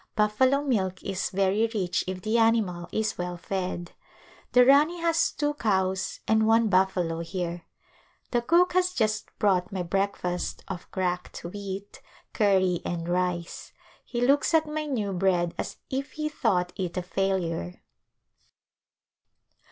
Buffalo milk is very rich if the animal is well fed. The Rani has two cows and one buffalo here. The cook has just brought my breakfast of cracked wheat, curry and rice. He looks at my new bread as if he thought it a failure.